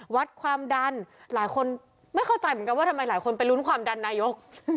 วัดความดันหลายคนไม่เข้าใจเหมือนกันว่าทำไมหลายคนไปลุ้นความดันนายก